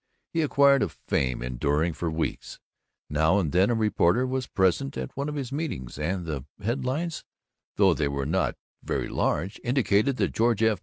He acquired a fame enduring for weeks. Now and then a reporter was present at one of his meetings, and the headlines (though they were not very large) indicated that George F.